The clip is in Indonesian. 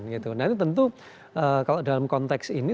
nah ini tentu kalau dalam konteks ini